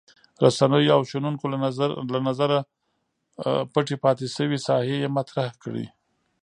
رسنیو او شنونکو له نظره پټې پاتې شوې ساحې یې مطرح کړې.